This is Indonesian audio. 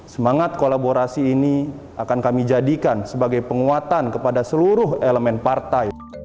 semangat kolaborasi ini akan kami jadikan sebagai penguatan kepada seluruh elemen partai